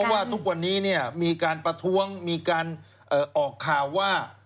เพราะว่าทุกวันนี้เนี้ยมีการประท้วงมีการเอ่อออกข่าวว่า